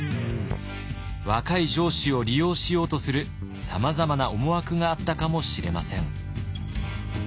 若い城主を利用しようとするさまざまな思惑があったかもしれません。